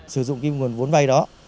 sử dụng nguồn vốn vây đó